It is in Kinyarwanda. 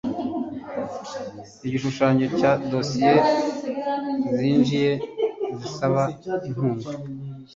igishushanyo cya dosiye zinjiye zisaba inkunga